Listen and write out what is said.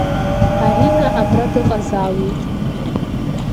Арина абра дыҟазаауеит!